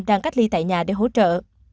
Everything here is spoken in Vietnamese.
đang cách ly tại nhà để hỗ trợ